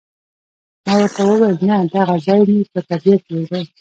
ما ورته وویل، نه، دغه ځای مې په طبیعت جوړ دی.